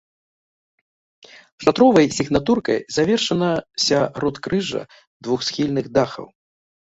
Шатровай сігнатуркай завершана сяродкрыжжа двухсхільных дахаў.